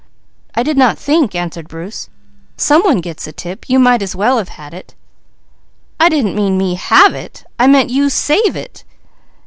"I did not think," answered Bruce. "Some one gets the tip, you might as well have had it." "I didn't mean me have it, I meant you save it."